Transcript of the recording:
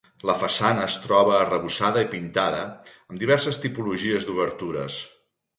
La façana es troba arrebossada i pintada, amb diverses tipologies d'obertures.